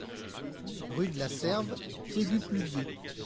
Rue de la Serve, Piégut-Pluviers